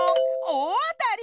おおあたり！